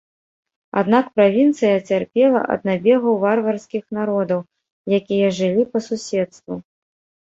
Аднак правінцыя цярпела ад набегаў варварскіх народаў, якія жылі па суседству.